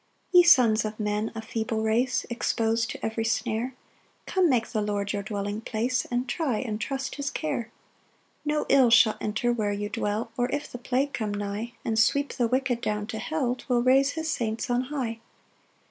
1 Ye sons of men, a feeble race, Expos'd to every snare, Come make the Lord your dwelling place, And try and trust his care. 2 No ill shall enter where you dwell; Or if the plague come nigh, And sweep the wicked down to hell, 'Twill raise his saints on high.